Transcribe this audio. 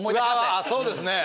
うわそうですね。